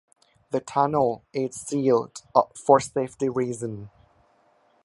The tunnel is sealed for safety reasons.